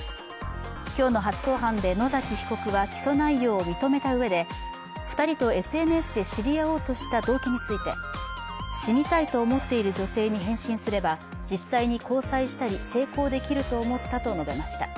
今日の初公判で野崎被告は起訴内容を認めたうえで２人とＳＮＳで知り合おうとした動機について、死にたいと思っている女性に返信すれば実際に交際したり性交できると思ったと述べました。